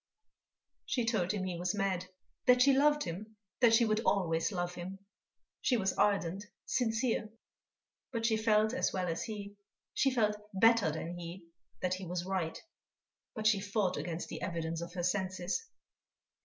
She told him he was mad; that she loved him, that she would always love him. She was ardent, sincere; but she felt as well as he, she felt better than he, that he was right. But she fought against the evidence of her senses.